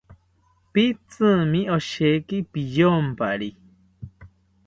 Pitzimi osheki piyompari